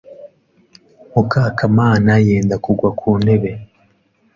Mukakamana yenda kugwa ku ntebe.